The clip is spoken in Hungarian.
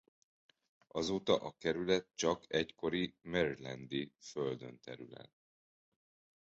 Azóta a kerület csak egykori marylandi földön terül el.